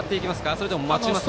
それとも待ちますか？